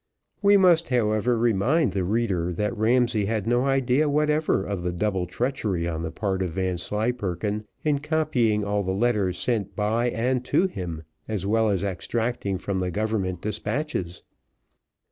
We must, however, remind the reader that Ramsay had no idea whatever of the double treachery on the part of Vanslyperken, in copying all the letters sent by and to him, as well as extracting from the government despatches.